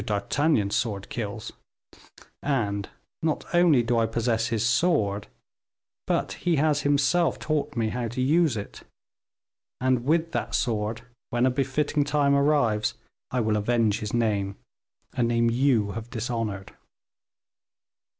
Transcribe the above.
d'Artagnan's sword kills; and, not only do I possess his sword, but he has himself taught me how to use it; and with that sword, when a befitting time arrives, I will avenge his name a name you have dishonored."